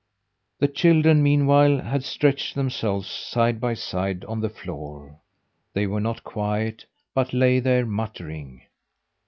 The children meanwhile had stretched themselves, side by side, on the floor. They were not quiet, but lay there muttering.